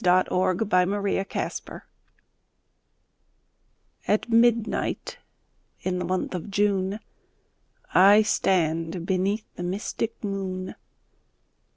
THE SLEEPER At midnight, in the month of June, I stand beneath the mystic moon.